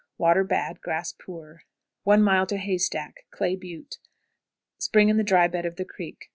Water bad; grass poor. 1. Haystack. Clay butte. Spring in the dry bed of the creek.